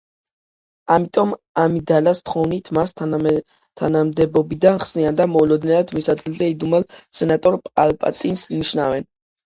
ამიტომ, ამიდალას თხოვნით, მას თანამდებობიდან ხსნიან და მოულოდნელად მის ადგილზე იდუმალ სენატორ პალპატინს ნიშნავენ.